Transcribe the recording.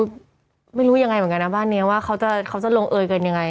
คือไม่รู้ยังไงเหมือนกันนะบ้านนี้ว่าเขาจะลงเอยกันยังไง